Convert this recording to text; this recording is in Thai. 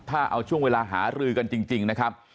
ถ้าเอาช่วงเวลาหารือกันจริงนะครับ